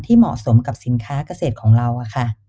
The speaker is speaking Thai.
เหมาะสมกับสินค้าเกษตรของเราค่ะ